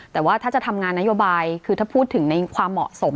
แต่ว่าถ้าจะทำงานนโยบายคือถ้าพูดถึงในความเหมาะสม